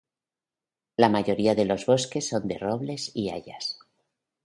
La mayoría de los bosques son de robles y hayas.